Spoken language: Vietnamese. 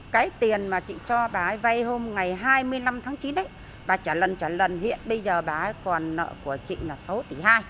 cái tiền mà chị cho bà ấy vây hôm ngày hai mươi năm tháng chín ấy bà trả lần trả lần hiện bây giờ bà ấy còn nợ của chị là sáu tỷ hai